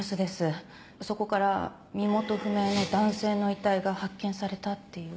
そこから身元不明の男性の遺体が発見されたっていう。